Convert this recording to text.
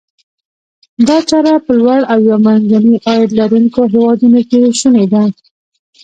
دا چاره په لوړ او یا منځني عاید لرونکو هیوادونو کې شوني ده.